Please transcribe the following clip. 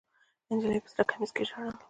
نجلۍ په سره کمیس کې ژړل.